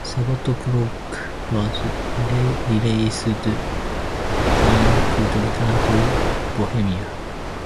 Savatopluk was released and could return to Bohemia.